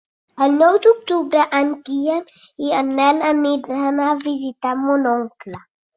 El nou d'octubre en Guillem i en Nel aniran a visitar mon oncle.